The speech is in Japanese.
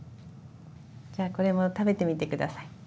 じゃあこれも食べてみて下さい。